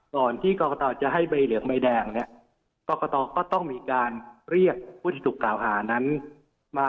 ก่อนที่จะให้ใบเหลืองไม้แดงเนี่ยเรียกผู้ถูกกล่าวหานั้นมา